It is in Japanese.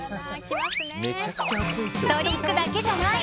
ドリンクだけじゃない！